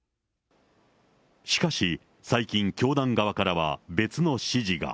しかし、最近、教団側からは、別の指示が。